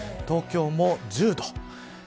東京も１０度。